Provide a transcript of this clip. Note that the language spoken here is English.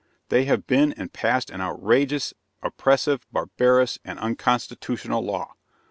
They have been and passed an outrageous, oppressive, barbarous, and unconstitutional law!